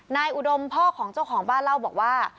อุดมพ่อของเจ้าของบ้านเล่าบอกว่า